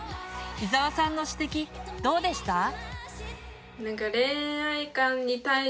伊沢さんの指摘どうでした？